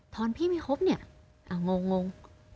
พี่ไม่คบเนี่ยงง